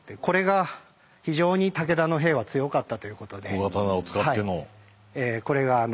小刀を使っての。